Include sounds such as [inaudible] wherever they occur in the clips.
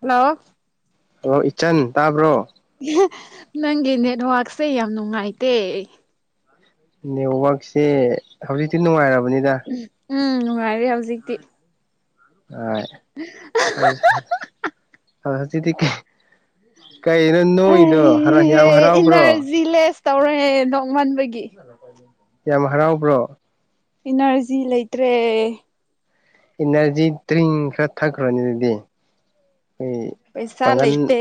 hello ꯑꯣ ꯏ ꯏꯆꯟ ꯇꯥꯕ꯭ꯔꯣ ꯅꯪꯒꯤ ꯅꯦꯠꯋꯔꯛꯁꯦ ꯌꯥꯝ ꯅꯨꯡꯉꯥꯏꯇꯦ ꯅꯦꯠꯋꯥꯔꯛꯁꯦ ꯍꯧꯖꯤꯛꯇꯤ ꯅꯨꯡꯉꯥꯏꯔꯕ ꯄꯨꯅꯤꯗ ꯎꯝ ꯅꯨꯡꯉꯥꯏꯔꯦ ꯍꯧꯖꯤꯛꯇꯤ ꯑꯗꯨꯖ ꯑ ꯑꯗꯨꯗꯤ ꯑ ꯍꯔꯥꯎꯕ꯭ꯔꯣ ꯏꯟꯅꯔꯖꯤ ꯂꯦꯁ ꯇꯧꯔꯍꯦ ꯅꯣꯡꯃꯟꯕꯒꯤ ꯌꯥꯝ ꯍꯔꯥꯎꯕ꯭ꯔꯣ ꯏꯅꯔꯖꯤ ꯂꯩꯇ꯭ꯔꯦ ꯏꯅꯔꯖꯤ ꯗ꯭ꯔꯤꯡ ꯈꯔ ꯊꯛꯈꯔꯣꯅꯤ ꯑꯗꯨꯗꯤ ꯑꯩꯈꯣꯏ ꯄꯩꯁꯥ ꯄꯥꯡꯒꯟ ꯂꯩꯇꯦ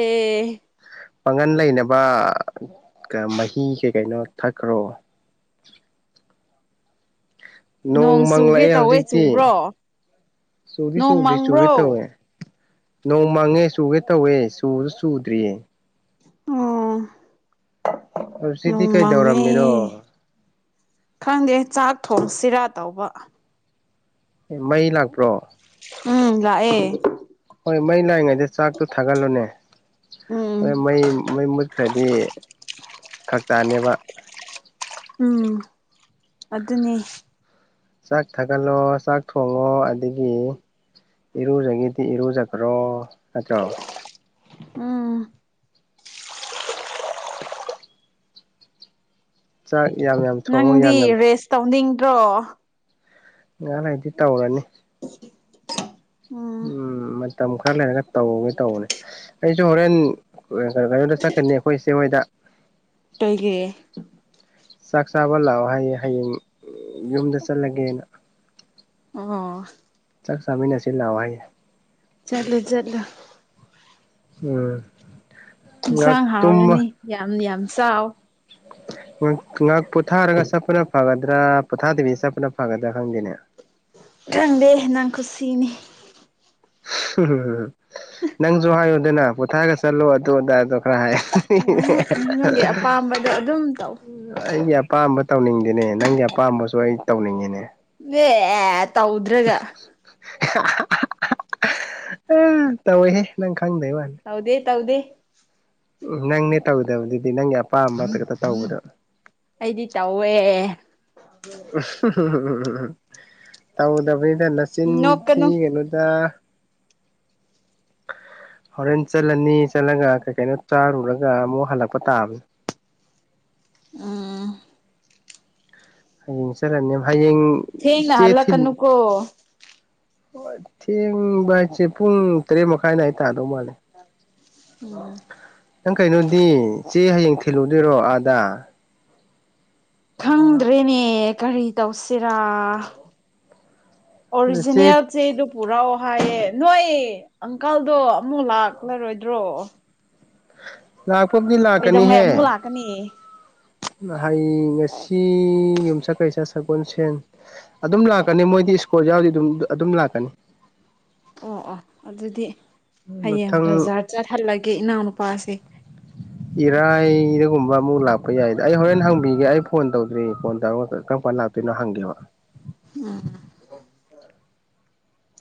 ꯄꯥꯡꯒꯟ ꯂꯩꯅꯕ ꯃꯍꯤꯁꯦ ꯀꯩꯅꯣ ꯊꯛꯈ꯭ꯔꯣ ꯅꯣꯡ ꯆꯨꯒꯦ ꯃꯪꯂꯛꯑꯦ ꯇꯧꯋꯦ ꯍꯧꯖꯤꯛꯇꯤ ꯆꯨꯕ꯭ꯔꯣ ꯆꯨꯗꯤ ꯅꯣꯡ ꯆꯨꯗꯔ꯭ꯤ ꯆꯨꯒꯦ ꯃꯪꯕ꯭ꯔꯣ ꯇꯧꯑꯦ ꯅꯣꯡ ꯃꯥꯡꯉꯦ ꯆꯨꯒꯦ ꯇꯧꯋꯦ ꯆꯨ ꯆꯨꯗꯔꯤꯌꯦ ꯑꯝ ꯍꯧꯖꯤꯛꯇꯤ ꯀꯩꯗꯧꯔꯝꯃꯤꯅꯣ ꯈꯪꯗꯦ ꯆꯥꯛ ꯊꯣꯡ ꯁꯤꯔꯥ ꯇꯧꯕ ꯑꯦ ꯃꯩ ꯂꯥꯛꯄ꯭ꯔꯣ ꯎꯝ ꯂꯥꯛꯑꯦ ꯍꯣꯏ ꯃꯩ ꯂꯥꯛꯏꯉꯩꯗ ꯆꯥꯛꯇꯣ ꯊꯥꯒꯠꯂꯨꯅꯦ ꯍꯣꯔꯦꯟ ꯎꯝ ꯃꯩ ꯃꯩ ꯃꯨꯠꯈ꯭ꯔꯗꯤ ꯐꯔꯛꯇꯥꯅꯦꯕ ꯎꯝ ꯑꯗꯨꯅꯦ ꯆꯥꯛ ꯊꯥꯒꯠꯂꯣ ꯆꯥꯛ ꯊꯣꯡꯉꯣ ꯑꯗꯒꯤ ꯏꯔꯨꯖꯒꯤꯗꯤ ꯏꯔꯨꯖꯈ꯭ꯔꯣ ꯅꯠꯇ꯭ꯔꯣ ꯎꯝ ꯆꯥꯛ ꯌꯥꯝ ꯌꯥꯝ ꯊꯣꯡꯉꯣ ꯅꯪꯗꯤ ꯌꯥꯝ ꯌꯥꯝ ꯔꯦꯁ ꯇꯧꯅꯤꯡ ꯔꯣ ꯉꯍꯥꯛ ꯂꯩꯔꯗꯤ ꯇꯧꯔꯅꯤ ꯎꯝ ꯃ ꯃꯇꯝ ꯈꯔ ꯂꯩꯔꯒ ꯇꯧꯕꯒꯦ ꯇꯧꯕꯅꯦ ꯑꯩꯁꯨ ꯍꯣꯔꯦꯟ ꯀꯩꯅꯣꯗ ꯆꯠꯀꯅꯤ ꯑꯩꯈꯣꯏ ꯏꯆꯦ ꯍꯣꯏꯗ ꯀꯩꯒꯤ ꯆꯥꯛ ꯆꯥꯕ ꯂꯥꯛꯑꯣ ꯍꯥꯏꯌꯦ ꯍꯌꯦꯡ ꯌꯨꯝꯗ ꯆꯠꯂꯒꯦꯅ ꯑꯣ ꯆꯥꯛ ꯆꯥꯃꯤꯟꯅꯁꯤ ꯂꯥꯛꯑꯣ ꯍꯥꯏꯌꯦ ꯆꯠꯂꯨ ꯆꯠꯂꯨ ꯎꯝ ꯉꯥꯏꯍꯥꯛ ꯏꯟꯁꯥꯡ ꯇꯨꯝꯃ ꯍꯥꯎꯔꯅꯤ ꯌꯥꯝꯅꯤ ꯌꯥꯝ ꯆꯥꯎ ꯉ ꯉꯍꯥꯛ ꯄꯣꯊꯥꯔꯒ ꯆꯠꯄꯅ ꯐꯒꯗ꯭ꯔꯥ ꯄꯣꯊꯥꯗꯕꯤꯁꯤ ꯆꯠꯄꯅ ꯐꯒꯗ꯭ꯔꯥ ꯈꯪꯗꯦꯅꯦ ꯈꯪꯗꯦ ꯅꯪ ꯈꯨꯨꯁꯤꯅꯤ [unintelligible] ꯅꯪꯁꯨ ꯍꯥꯏꯌꯨꯗꯅ ꯄꯣꯊꯥꯔꯒ ꯆꯠꯂꯣ ꯑꯗꯨ ꯑꯗꯥꯗꯣ ꯔ ꯍꯥꯏ ꯅꯪꯒꯤ ꯑꯄꯥꯝꯕꯗꯣ ꯑꯗꯨꯝ ꯇꯧ [unintelligible] ꯑꯩꯒꯤ ꯑꯄꯥꯝꯕ ꯇꯧꯅꯤꯡꯗꯦꯅꯦ ꯅꯪꯒꯤ ꯑꯄꯥꯝꯕꯁꯨ ꯑꯩ ꯇꯧꯅꯤꯡꯉꯤꯅꯦ [inaudible] [unintelligible] [inaudible] [unintelligible] [unintelligible] ꯎ ꯇꯧꯋꯦꯍ ꯅꯪ ꯈꯪꯗꯩ ꯋꯥꯅꯤ ꯇꯧꯗꯦ ꯇꯥꯎꯗꯦ ꯎꯝ ꯅꯪꯅꯦ ꯇꯧꯗꯕꯗꯨꯗꯤ ꯅꯪꯒꯤ ꯑꯄꯥꯝꯕꯊꯛꯇ ꯇꯧꯕꯗꯣ ꯑꯩꯗꯤ ꯇꯧꯋꯦ ꯎ ꯇꯕꯨꯗꯕꯤ ꯍꯗꯦꯟ ꯅꯆꯤꯟ ꯊꯤ ꯅꯣꯛꯀꯅꯨ ꯀꯩꯅꯣꯗ ꯍꯣꯔꯦꯟ ꯆꯠꯂꯅꯤ ꯆꯠꯂꯒ ꯀꯩ ꯀꯩꯅꯣ ꯆꯥꯔꯨꯔꯒ ꯑꯃꯨꯛ ꯍꯜꯂꯛꯄ ꯇꯥꯕꯅꯦ ꯑꯝ ꯍꯁꯔ ꯊꯡꯦꯅ ꯑꯜꯂ ꯀꯅꯨꯀꯣ ꯍꯣꯏ ꯊꯦꯡꯕ ꯍꯥꯏꯁꯦ ꯄꯨꯡ ꯇꯔꯦꯠ ꯃꯈꯥꯏꯅ ꯑꯩ ꯇꯥꯗꯧ ꯃꯥꯜꯂꯦ ꯅꯪ ꯀꯩꯅꯣꯗꯤ ꯆꯦ ꯍꯌꯦꯡ ꯊꯤꯜꯂꯨꯗꯣꯏꯔꯣ ꯗꯥ ꯈꯪꯗ꯭ꯔꯦꯅꯦ ꯀꯔꯤ ꯇꯧꯁꯤꯔꯥ ꯅꯆꯦ ꯑꯣꯔꯤꯖꯤꯅꯦꯜ ꯆꯦꯗꫭ ꯄꯨꯔꯧ ꯐꯌꯦ ꯅꯣꯏ ꯑꯪꯀꯜꯗꯣ ꯑꯃꯨꯛ ꯂꯥꯛꯂꯔꯣꯏꯗ꯭ꯔꯣ ꯂꯥꯛꯄꯕꯨꯗꯤ ꯀꯩꯗꯧꯉꯩ ꯂꯥꯛꯀꯅꯤꯍꯦ ꯑꯃꯨꯛ ꯂꯥꯛꯀꯅꯤ ꯍꯪ ꯉꯁꯤ ꯆ ꯌꯨꯝꯁꯛ ꯀꯩꯁ ꯁꯒꯣꯜ ꯁꯦꯟ ꯑꯗꯨꯝ ꯂꯥꯛꯀꯅꯤ ꯃꯣꯏꯗꯤ ꯁꯀꯣꯔꯜ ꯌꯥꯎꯗꯤ ꯑꯗꯨꯝ ꯑꯗꯨꯝ ꯂꯥꯛꯀꯅꯤ ꯑꯣ ꯑꯣ ꯑꯗꯨꯗꯤ ꯍꯌꯦꯡ ꯃꯊꯪ ꯕꯖꯥꯔ ꯆꯠꯍꯜꯂꯒꯦ ꯏꯅꯥꯎꯅꯨꯄꯥꯁꯦ ꯗꯒꯨꯝꯕ ꯑꯃꯨꯛ ꯂꯥꯛꯄ ꯌꯥꯏꯗꯅ ꯑꯩ ꯍꯣꯔꯦꯟ ꯍꯪꯕꯤꯒꯦ ꯑꯩ ꯐꯣꯟ ꯇꯧꯗ꯭ꯔꯤ ꯐꯣꯟ ꯇ ꯀ ꯐꯔꯂ ꯀꯩꯅꯣ ꯍꯪꯒꯦꯕ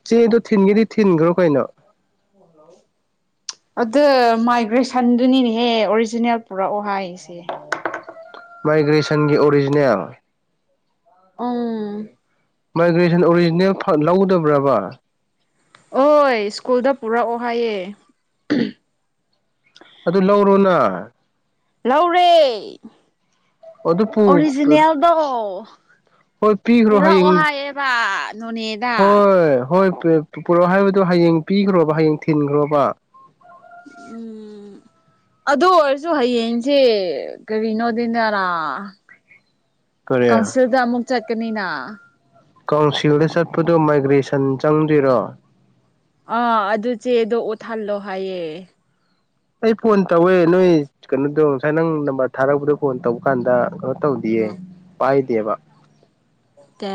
ꯆꯦꯗꯣ ꯊꯤꯟꯒꯗꯤ ꯊꯤꯟꯈ꯭ꯔꯣ ꯀꯩꯅꯣ ꯑꯗꯨ ꯃꯥꯏꯒ꯭ꯔꯦꯁꯟꯗꯨꯅꯤꯅꯦꯍꯦ ꯑꯣꯔꯤꯖꯤꯅꯦꯜ ꯄꯨꯔꯛꯑꯣ ꯍꯥꯏꯁꯦ ꯃꯥꯏꯒ꯭ꯔꯦꯁꯟꯒꯤ ꯑꯣꯔꯤꯖꯤꯅꯦꯜ ꯎꯝ ꯃꯥꯏꯒ꯭ꯔꯦꯁꯟ ꯑꯣꯔꯤꯖꯤꯅꯦꯜ ꯂꯧꯗꯕ꯭ꯔꯕ ꯍꯣꯏ ꯁ꯭ꯀꯨꯜꯗ ꯄꯨꯔꯛꯑꯣ ꯍꯥꯏꯌꯦ ꯑꯗꯨ ꯂꯧꯔꯣꯅ ꯂꯧꯔꯦ ꯑꯗꯨ ꯄꯨ ꯑꯣꯔꯤꯖꯤꯅꯦꯜꯗꯣ ꯍꯣꯏ ꯄꯤꯈ꯭ꯔꯣ ꯄꯨꯔꯥ ꯑꯣ ꯍꯌꯦꯡ ꯍꯥꯏꯌꯦꯕ ꯅꯣꯅꯦꯗ ꯍꯣꯏ ꯍꯣꯏ ꯄꯨꯔꯛꯑꯣ ꯍꯥꯏꯕꯗꯨꯣ ꯍꯌꯦꯡ ꯄꯤꯈ꯭ꯔꯣꯕ ꯍꯌꯦꯡ ꯊꯤꯟꯈ꯭ꯔꯣꯕ ꯎꯝ ꯑꯗꯨ ꯑꯣꯏꯔꯁꯨ ꯍꯌꯦꯡꯁꯦ ꯀꯔꯤꯅꯣꯗꯤꯗꯔꯥ ꯀꯔꯤ ꯀꯥꯎꯟꯁꯤꯜꯗ ꯑꯃꯨꯛ ꯆꯠꯀꯅꯤꯅ ꯀꯥꯎꯁꯤꯜꯗ ꯆꯠꯄꯗꯨꯣ ꯃꯥꯏꯒ꯭ꯔꯦꯁꯟ ꯆꯪꯗ꯭ꯣꯏꯔꯣ ꯑꯥ ꯑꯗꯨ ꯆꯦꯗꯣ ꯎꯠꯊꯜꯂꯣ ꯍꯥꯏꯌꯦꯦ ꯑꯩ ꯐꯣꯟ ꯇꯧꯋꯦ ꯅꯣꯏ ꯀꯩꯅꯣꯗꯣ ꯉꯁꯥꯏ ꯅꯪ ꯅꯝꯕꯔ ꯊꯥꯔꯛꯄꯗꯣ ꯐꯣꯟ ꯇꯧꯕ ꯀꯥꯟꯗꯩꯅꯣ ꯇꯌꯦ ꯄꯥꯏ ꯕ ꯇꯦ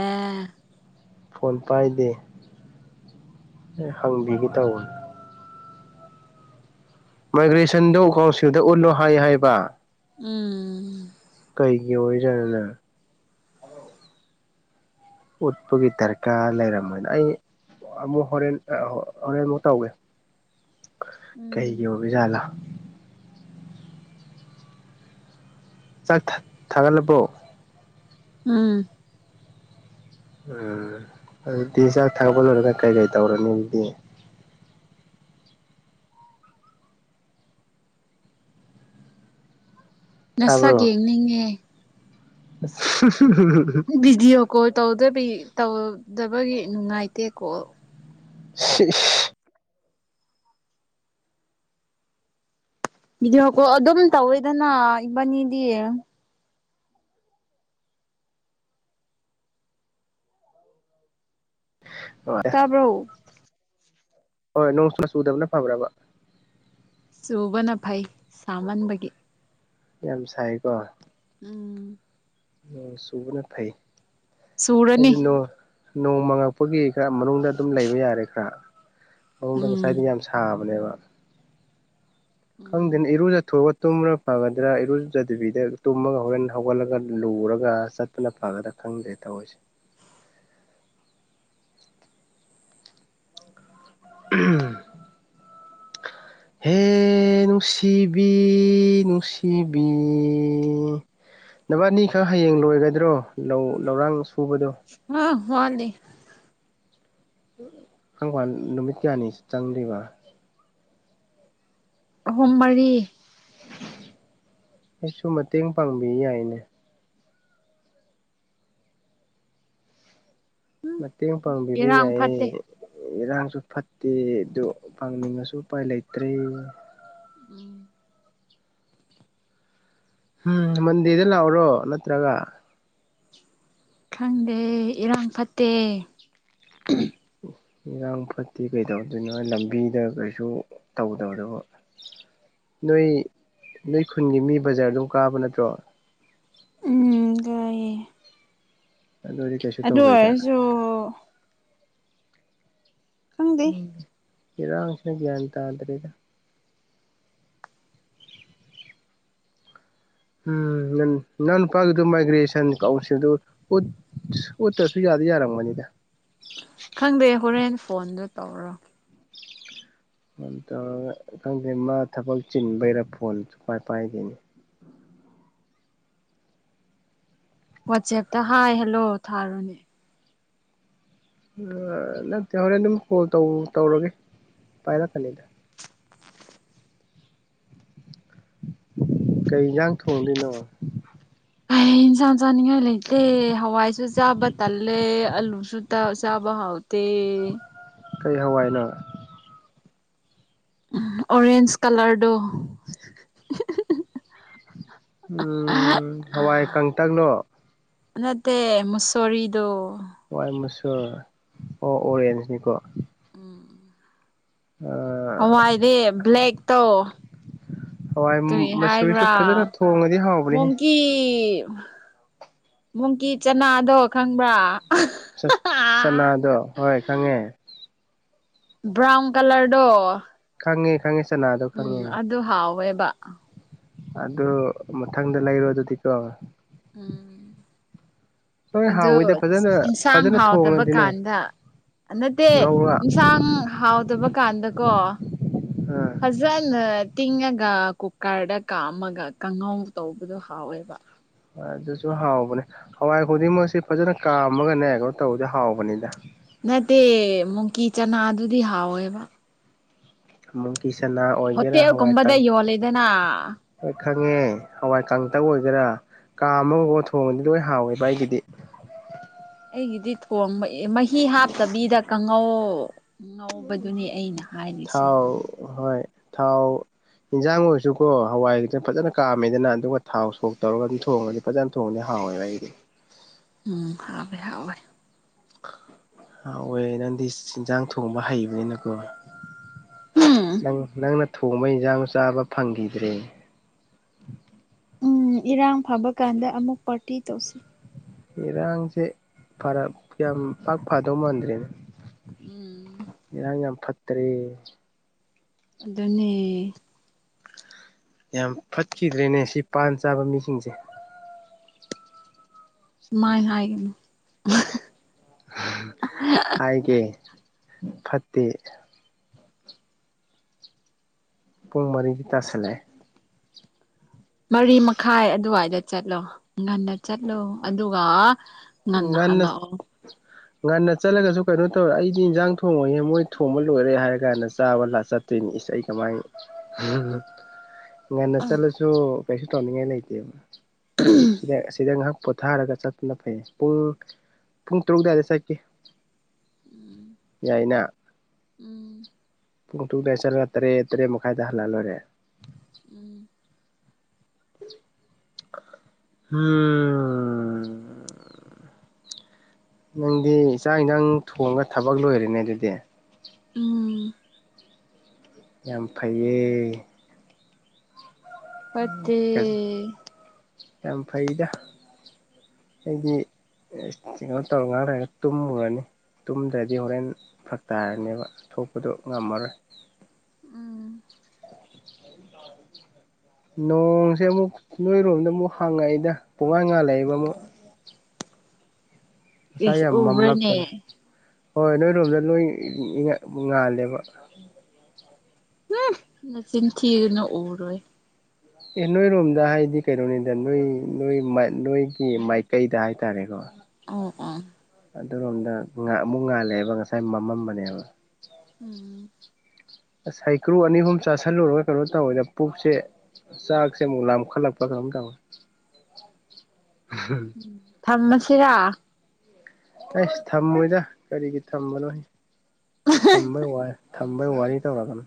ꯐꯣꯟ ꯄꯥꯏꯗꯦ ꯍꯪꯕꯤꯒꯦ ꯇꯧꯕꯅꯦ ꯃꯥꯏꯒ꯭ꯔꯦꯁꯟꯗꯣ ꯎꯀꯥꯎꯁꯤꯡꯗ ꯎꯠꯂꯣ ꯍꯥꯏ ꯍꯥꯏꯕ ꯎꯝ ꯀꯩꯒꯤ ꯑꯣꯏꯖꯅꯅ ꯎꯠꯄꯒꯤ ꯗꯔꯀꯥꯔ ꯂꯩꯔꯝꯝꯕꯅ ꯑꯩ ꯑꯃꯨꯛ ꯍꯣꯔꯦꯟ ꯍꯣꯔꯦꯟ ꯑꯃꯨꯛ ꯇꯧꯒꯦ ꯎꯝ ꯀꯩꯒꯤꯣꯕꯤ ꯆꯂ ꯆꯥꯛ ꯊꯥꯒꯠꯂꯕꯣ ꯑꯝ ꯎꯝ ꯑꯗꯨꯗꯤ ꯆꯥꯛ ꯊꯥꯛꯄ ꯂꯣꯏꯔꯒ ꯀꯩ ꯀꯩ ꯇꯧꯔꯅꯤ ꯑꯗꯨꯗꯤ ꯅꯁꯛꯒ ꯌꯦꯡꯅꯤꯡꯉꯦ [unintelligible] ꯎꯝ ꯀꯣ ꯇꯧ ꯇꯧꯗꯕꯒꯤ ꯅꯨꯡꯉꯥꯏꯇꯦꯀꯣ ꯁꯤ ꯏꯗꯤ ꯍꯀꯣ ꯑꯗꯨꯝ ꯇꯧꯋꯦꯗꯅ ꯏꯕꯥꯅꯤꯗꯤ ꯅꯨꯡꯉꯥꯏꯔꯦ ꯇꯕ ꯍꯣꯏ ꯅꯣꯡꯁꯨꯨꯅ ꯁꯨꯗꯕꯅ ꯐꯕ꯭ꯔꯕ ꯁꯨꯕꯅ ꯐꯥꯏ ꯁꯃꯟꯕꯒꯤ ꯌꯥꯝ ꯁꯥꯏꯀꯣ ꯎꯝ ꯁꯨꯕꯅ ꯐꯩ ꯁꯨꯨꯔꯅꯤ ꯅꯣꯡꯃꯉꯛꯄꯒꯤ ꯈꯔ ꯃꯅꯨꯡꯗ ꯑꯗꯨꯝ ꯂꯩꯕ ꯌꯥꯔꯦ ꯈꯔ ꯃꯅꯨꯡꯗ ꯎꯝ ꯉꯁꯥꯏꯗꯤ ꯌꯥꯝ ꯁꯥꯕꯅꯦꯕ [unintelligible] ꯈꯪꯗꯦꯅꯤ ꯎꯝ ꯏꯔꯖ ꯊꯑ ꯇꯨꯝꯕꯥ ꯐꯒꯗ꯭ꯔꯥ ꯏꯔꯨꯖꯗꯕꯤꯗ ꯇꯨꯝꯃꯒ ꯍꯣꯔꯦꯟ ꯍꯧꯒꯠꯂꯒ ꯂꯨꯔꯒ ꯆꯠꯄꯅ ꯐꯒꯗ꯭ꯔꯥ ꯈꯪꯗ꯭ꯔꯦ ꯊꯑꯣꯏꯁꯦ ꯎꯝ ꯍꯦ ꯅꯨꯡꯁꯤꯕꯤ ꯅꯨꯡꯁꯤꯕꯤ ꯅꯕ ꯑꯅꯤꯈꯛ ꯍꯌꯦꯡ ꯂꯣꯏꯒꯗ꯭ꯔꯣ ꯂꯧ ꯂꯧꯔꯥꯡ ꯀꯕꯗꯣ ꯍꯅꯤ ꯈꯪ ꯅꯨꯃꯤꯠ ꯀꯌꯥꯅꯤ ꯆꯪꯕ ꯍꯍꯨꯝ ꯃꯔꯤ ꯑꯩꯁꯨ ꯃꯇꯦꯡ ꯄꯥꯡꯕꯤ ꯌꯥꯏꯅꯦ ꯃꯇꯦꯡ ꯄꯥꯡꯕꯤꯕ ꯏꯔꯥꯡ ꯌꯥꯏꯌꯦ ꯐꯠꯇꯦ ꯏꯔꯥꯡꯁꯨ ꯐꯠꯇꯦ ꯑꯗꯨ ꯐꯪꯅꯤꯡꯉꯁꯨ ꯎꯄꯥꯏ ꯂꯩꯇ꯭ꯔꯦ ꯎꯝ ꯎꯝ ꯃꯟꯗꯦꯗ ꯂꯥꯛꯑꯣꯔꯣ ꯅꯠꯇ꯭ꯔꯒ ꯈꯪꯗꯦ ꯏꯔꯥꯡ ꯐꯠꯇꯦ ꯏꯔꯥꯡ ꯐꯠꯇꯤ ꯀꯩꯗꯧꯗꯣꯏꯅꯣ ꯂꯝꯕꯤꯗ ꯀꯩꯁꯨ ꯇꯧꯗꯧꯗꯕ ꯅꯣꯏ ꯅꯣꯏ ꯈꯨꯟꯒꯤ ꯃꯤ ꯕꯖꯥꯔ ꯑꯗꯨꯝ ꯀꯥꯕ ꯅꯠꯇ꯭ꯔꯣ ꯎꯝ ꯀꯑꯌꯦ ꯑꯗꯨꯗꯤ ꯀꯩꯁꯨ ꯑꯗꯨ ꯇꯧꯔꯣꯏꯗ ꯑꯣꯏꯔꯁꯨ ꯈꯪꯗꯦ ꯀꯗ ꯐꯪꯁꯤꯅ ꯭ꯌꯥꯟ ꯇꯥꯟꯗꯔꯦꯗ ꯎꯝ ꯅ ꯅꯍꯪ ꯅꯨꯄꯥꯒꯤꯗꯨꯣ ꯃꯥꯏꯒ꯭ꯔꯦꯁꯟ ꯀꯥꯎꯟꯁꯤꯜꯗꯨ ꯑꯣꯠꯇ꯭ꯔꯁꯨ ꯌꯥꯗ ꯌꯥꯔꯝꯒꯅꯤꯗ ꯈꯪꯗꯦ ꯍꯣꯔꯦꯟ ꯐꯣꯟꯗꯣ ꯇꯧꯔꯣ ꯇꯧꯔꯒ ꯈꯪꯗꯦ ꯃꯥ ꯊꯕꯛ ꯆꯤꯟꯕꯩꯔꯥ ꯐꯣꯟꯁꯨꯨ ꯀꯥꯏ ꯄꯥꯏꯈꯤꯦꯅꯤ ꯋꯥꯆꯦꯞꯇ ꯍꯥꯏ ꯍꯜꯂꯣ ꯊꯥꯔꯣꯅꯦ ꯅꯠꯇꯦ ꯍꯣꯔꯦꯟ ꯑꯗꯨꯝ ꯀꯣꯜ ꯇꯧꯔꯒꯦ ꯄꯥꯏꯔꯛꯀꯅꯤꯗ ꯀꯩ ꯌꯦꯟꯖꯥꯡ ꯊꯣꯡꯗꯣꯏꯅꯣ ꯑꯦ ꯏꯟꯁꯥꯟꯁꯥꯅ ꯂꯩꯇꯦ ꯍꯋꯥꯏꯁꯨ ꯆꯥꯕ ꯇꯜꯂꯦ ꯑꯜꯂꯨꯁꯨꯇꯥ ꯆꯥꯕ ꯍꯥꯥꯎꯇꯦ ꯀꯩ ꯍꯋꯥꯏꯅ ꯑꯣꯔꯦꯟꯖ ꯀꯂꯔꯗꯨ ꯎ ꯍꯋꯥꯏ ꯀꯪꯇꯛꯅꯣ ꯅꯠꯇꯦ ꯃꯨꯁꫭꯔꯤꯗꫭ ꯋꯥꯏꯠ ꯃꯁꯨꯔ ꯑꯣ ꯑꯣꯔꯦꯟꯖꯅꯤꯀꯣ ꯎꯝ ꯍꯋꯥꯏꯗꯤ ꯕ꯭ꯂꯦꯛ ꯇꯧ ꯍꯋꯥꯏ ꯀꯔꯤ ꯃꯁꯨꯔꯤꯁꯨ ꯍꯥꯏꯕ꯭ꯔꯥ ꯐꯖꯅ ꯊꯣꯡꯉꯗꯤ ꯍꯥꯎꯕꯅꯦꯍꯦ ꯃꫭꯡꯀꯤ ꯃꯣꯡꯀꯤ ꯆꯅꯥꯗꯣ ꯈꯪꯕ꯭ꯔꯥ ꯁꯅꯥꯗꯣ ꯍꯣꯏ ꯈꯪꯉꯦ ꯕ꯭ꯔꯥꯎꯟ ꯀꯂꯔꯗꯣ ꯈꯪꯉꯦ ꯈꯪꯉꯦ ꯆꯅꯥꯗꯣ ꯎꯝ ꯈꯪꯉꯦ ꯑꯗꯨ ꯍꯥꯎꯦ [unintelligible] ꯑꯗꯨ ꯃꯊꯪꯗ ꯂꯩꯔꯨ ꯑꯗꯨꯗꯤꯀꯣ ꯎꯝ ꯅꯣꯏ ꯑꯗꯨ ꯍꯥꯎꯋꯤꯗ ꯐꯖꯅ ꯑꯦꯟꯁꯥꯡ ꯐꯖꯅ ꯍꯥꯎꯇꯕ ꯊꯣꯡꯉꯗꯤꯅꯦ ꯀꯥꯟꯗ ꯅꯠꯇꯦ ꯉꯧꯔ ꯏꯟꯁꯥꯡ ꯍꯥꯎꯗꯕ ꯍꯧ ꯀꯥꯟꯗꯀꯣ ꯑꯥ ꯐꯖꯅ ꯇꯤꯡꯉꯒ ꯀꯨꯀꯔꯗ ꯀꯥꯝꯃꯒ ꯀꯥꯡꯉꯧ ꯇꯧꯕꯗꯣ ꯍꯥꯎꯋꯦꯕ ꯑꯗꯨꯁꯨ ꯍꯥꯎꯕꯅꯦ ꯍꯋꯥꯏ ꯈꯨꯗꯤꯡꯃꯛꯁꯦ ꯐꯖꯅ ꯀꯥꯝꯃꯒꯅꯦ ꯀꯩꯅꯣ ꯇꯧꯕꯗꯤꯦ ꯍꯥꯎꯕꯅꯤꯗ ꯅꯠꯇꯦ ꯃꯨꯡꯀꯤ ꯆꯅꯥ ꯗꯨꯗꯤ ꯍꯥꯎꯋꯦꯕ ꯎ [unintelligible] ꯍꯠꯇꯦ ꯀꯝꯕꯗ ꯏ ꯋꯥꯂꯗꯅꯥ ꯂꯣꯏ ꯈꯪꯉꯦ ꯍꯋꯥꯏ ꯀꯥꯡꯇ ꯑꯣꯏꯒꯦꯔꯥ ꯀꯥ ꯑꯃꯒꯀ ꯊꯣꯡꯕꯗꯤ ꯂꯣꯏ ꯍꯥꯎꯋꯦꯕ ꯑꯩꯒꯤꯗꯤ ꯑꯩꯒ ꯏ ꯏꯠ ꯀꯣꯝꯕ ꯑꯦ ꯃꯍꯤ ꯍꯥꯞꯇꯕꯤꯗ ꯀꯥꯡꯉꯧ ꯉꯥꯎꯧꯕꯗꯨꯅꯤ ꯑꯩꯅ ꯍꯥꯏꯔꯤꯁꯦ ꯊꯥꯎ ꯑꯗꯨ ꯍꯣꯏ ꯊꯥꯎ ꯌꯦꯟꯖꯥꯡ ꯑꯣꯏꯔꯁꯨꯀꯣ ꯍꯋꯥꯏꯗꯅ ꯐꯖꯅ ꯀꯥꯝꯃꯦꯗꯅ ꯑꯗꯨꯒ ꯊꯥꯎ ꯁꯣꯛ ꯇꯧꯔꯒ ꯑꯗꯨꯝ ꯊꯣꯡꯉꯗꯤ ꯐꯖꯅ ꯊꯣꯡꯉꯗꯤ ꯍꯥꯎꯋꯦꯕ ꯑꯩꯗꯤ ꯎꯝ ꯍꯥꯏꯕꯦ ꯍꯦ ꯍꯋꯦ ꯅꯪꯗꯤ ꯏꯟꯖꯥꯡ ꯊꯣꯡꯕ ꯍꯩꯕꯅꯤꯅꯀꯣ ꯎꯝ ꯂꯪꯅ ꯊꯣꯡꯕ ꯏꯟꯁꯥꯡ ꯆꯥꯕ ꯐꯪꯈꯤꯗ꯭ꯔꯦ ꯎꯝ ꯏꯔꯥꯡ ꯐꯕ ꯀꯥꯟꯗ ꯑꯃꯨꯛ ꯄꯥꯔꯇꯤ ꯇꯧꯁꯤ ꯏꯔꯥꯡꯁꯦ ꯐꯔ ꯌꯥꯝ ꯄꯥꯛ ꯐꯗꯧ ꯃꯥꯟꯗ꯭ꯔꯦꯅꯦ ꯎꯝ ꯇꯔꯦ ꯑꯗꯨꯅꯤ ꯌꯥꯝ ꯐꯠꯈꯤꯗ꯭ꯔꯦꯅꯦ ꯁꯤ ꯄꯥꯟ ꯆꯥꯕ ꯃꯤꯁꯤꯡꯁꯦ ꯃꯥꯏ ꯍꯥꯏ ꯀꯅꯣ ꯍꯥꯏ ꯀꯦ ꯐꯠꯇ ꯄꯨꯡ ꯃꯔꯤꯗꯤ ꯇꯥꯁꯜꯂꯑꯦ ꯃꯔꯤ ꯃꯈꯥꯏ ꯑꯗꯨꯋꯥꯏꯗ ꯆꯠꯂꯣ ꯉꯟꯅ ꯆꯠꯂꯣ ꯑꯗꯨꯒ ꯉꯟꯅ ꯍꯂꯑꯣ ꯉꯟꯅ ꯆꯠꯂꯒꯁꯨ ꯀꯩꯅꯣ ꯇꯧꯔꯦ ꯑꯩꯗꯤ ꯏꯟꯁꯥꯡ ꯊꯣꯡꯉꯍꯦ ꯃꯣꯏ ꯊꯣꯡꯕ ꯂꯣꯏꯔꯦ ꯍꯥꯏꯔ ꯀꯥꯟꯗ ꯆꯥꯕ ꯆꯠꯇꯣꯏꯅꯤ ꯏꯁꯩ ꯑꯩ ꯀꯃꯥꯏꯅ ꯉꯟꯅ ꯎꯝ ꯆꯠꯂꯁꯨ ꯀꯩꯁ ꯇꯅꯤꯡꯉ ꯂꯩꯇ ꯁꯤꯗ ꯁꯤꯗ ꯄꯣꯊꯥꯔꯒ ꯆꯠꯇꯨꯅ ꯐꯩ ꯄꯨꯡ ꯄꯨꯡ ꯇꯔꯨꯛ ꯑꯗꯨꯋꯥꯏꯗ ꯆꯠꯈꯤ ꯌꯥꯏꯅ ꯎꯝ ꯄꯨꯡ ꯇꯨꯗꯦ ꯆꯠꯂꯒ ꯇꯔꯦꯠ ꯇꯔꯦꯠ ꯃꯈꯥꯏꯗ ꯍꯜꯂꯛꯂꯣꯏꯔꯦ ꯎꯝ ꯎꯝ ꯅꯪꯗꯤ ꯏꯆꯥ ꯏꯟꯗꯥꯡ ꯊꯣꯡꯉꯒ ꯊꯕꯛ ꯂꯣꯏꯔꯅꯦ ꯑꯗꯨꯗꯤ ꯎꯝ ꯌꯥꯝ ꯐꯩꯌꯦ ꯄꯠꯇꯦ ꯌꯥꯝ ꯐꯩꯗ ꯑꯩꯗꯤ ꯀꯩꯅꯣ ꯇꯧꯔ ꯉꯥꯡ ꯂꯩꯒ ꯇꯨꯝꯃꯨꯔꯅꯤ ꯇꯨꯝꯗ꯭ꯔꯗꯤ ꯍꯣꯔꯦꯟ ꯐꯛꯛꯇꯥꯔꯅꯦꯕ ꯊꯣꯛꯄꯗꯣ ꯉꯝꯃꯔꯣꯏ ꯎꯝ ꯅꯣꯡꯁꯦ ꯑꯃꯨꯛ ꯅꯣꯏꯔꯣꯝꯗ ꯑꯃꯨꯛ ꯍꯪꯉꯛꯏꯗ ꯄꯨꯡꯉꯥꯟ ꯉꯥꯜꯂꯛꯏꯕ ꯑꯃꯨꯛ ꯉꯁꯥꯏ ꯑꯦꯁ ꯌꯥꯝ ꯎꯕ꯭ꯔꯅꯦ ꯃꯝꯂꯛꯄꯅꯦ ꯍꯣꯏ ꯅꯣꯏꯔꯣꯝꯗ ꯂꯣꯏ ꯉꯥꯜꯂꯦꯕ ꯎ ꯅꯆꯤꯟ ꯊꯤꯒꯅꯨ ꯎꯔꯣꯏ ꯑꯦ ꯅꯣꯏꯔꯣꯝꯗ ꯍꯥꯏꯗꯤ ꯀꯩꯅꯣꯅꯤꯗ ꯅꯣꯏ ꯅꯣꯏ ꯅꯣꯏꯒꯤ ꯃꯥꯏꯀꯩꯗ ꯍꯥꯏꯇꯥꯔꯦꯀꯣ ꯑꯣ ꯑꯗꯨꯔꯣꯝꯗ ꯑꯃꯨꯛ ꯉꯥꯜꯂꯛꯑꯦꯕ ꯉꯁꯥꯏ ꯃꯃꯝꯕꯅꯦꯕ ꯎꯝ ꯁ ꯍꯩꯀ꯭ꯔꯨ ꯑꯅꯤ ꯑꯍꯨꯝ ꯆꯥꯥꯁꯜꯂꯨꯔꯒ ꯀꯩꯅꯣ ꯇꯧꯋꯦꯗ ꯄꯨꯛꯁꯦ ꯆꯥꯛꯁꯦ ꯑꯃꯨꯛ ꯂꯥꯝꯈꯠꯂꯛꯄ꯭ꯔꯥ ꯀꯩꯅꯣꯝ ꯇꯧꯋꯤ ꯊꯃꯁ ꯆꯩꯔꯥ ꯑꯩꯁ ꯊꯝꯃꯣꯏꯗ ꯀꯔꯤꯒꯤ ꯊꯝꯕꯅꯣ ꯊꯝꯕꯩ ꯋꯥꯏ ꯊꯝꯕꯩ ꯋꯥꯔꯤ ꯇꯧꯔꯛꯀꯅꯨ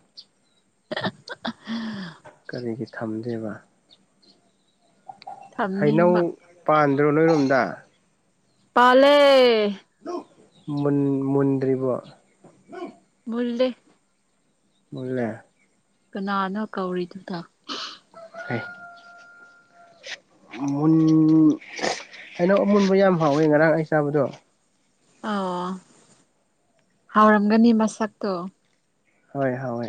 [unintelligible] ꯀꯔꯤꯒꯤ ꯊꯝꯗꯦꯕ ꯍꯩꯅꯧ ꯊꯝꯅꯤꯡꯕ ꯄꯥꯟ ꯅꯣꯏꯔꯣꯞꯗꯥ ꯄꯥꯂꯦ ꯃꯟ ꯃꯨꯟꯗ꯭ꯔꯤꯕ ꯃꯨꯜꯂꯦ ꯄꯨꯂꯦ ꯀꯅꯥꯅꯣ ꯀꯧꯔꯤꯗꯨꯅ ꯍ ꯨꯟ ꯍꯩꯅꯧ ꯑꯃꯨꯟꯕ ꯌꯥꯝ ꯍꯥꯎꯋꯦ ꯉꯔꯥꯡ ꯑꯩ ꯆꯥꯕꯗꯣ ꯑꯣ ꯍꯥꯎꯔꯝꯒꯅꯤ ꯃꯁꯛꯇꯣ ꯍꯣꯏ ꯍꯣꯏ